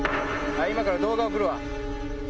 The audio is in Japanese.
今から動画送るわ。